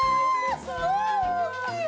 すごい大きい！